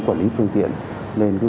quản lý phương tiện nên wpf